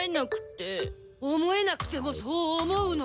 思えなくてもそう思うの！